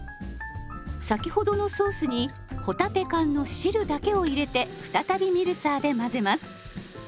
先ほどのソースに帆立て缶の汁だけを入れて再びミルサーで混ぜます。